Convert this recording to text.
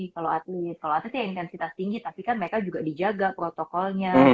kalau atlet kalau atlet ya intensitas tinggi tapi kan mereka juga dijaga protokolnya